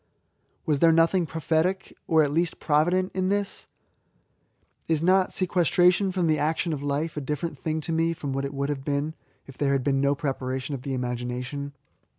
Was there nothing prophetic, or at least provident, in this ? Is not sequestration from the action of life a different thing to me from what it would have been if there had been no preparation of the imagination